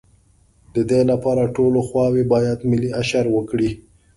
د دې لپاره ټولې خواوې باید ملي اشر وکړي.